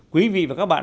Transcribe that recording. quý vị và các bạn